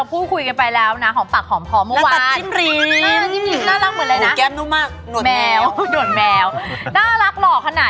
อยู่กับเราอีกตอนหนึ่งวันเนาะ